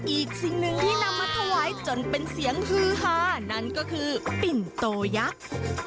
อีกสิ่งหนึ่งที่นำมาถวายจนเป็นเสียงฮือฮานั่นก็คือปิ่นโตยักษ์